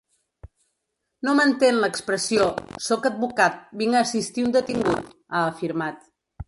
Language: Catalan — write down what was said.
No m’entén l’expressió: “Sóc advocat, vinc a assistir un detingut”, ha afirmat.